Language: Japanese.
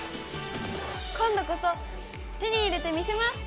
今度こそ手に入れてみせます。